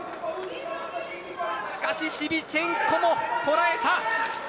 しかしシビチェンコもこらえた。